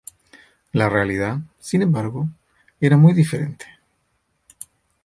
La realidad, sin embargo, era muy diferente.